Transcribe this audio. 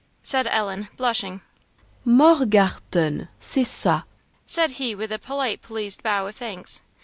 said Ellen, blushing. "Morgarten! c'est ça!" said he with a polite pleased bow of thanks.